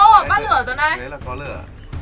thế là có lửa